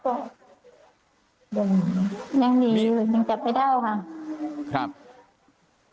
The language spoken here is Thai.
ยังหนีอยู่ยังจับไปด้าวค่ะ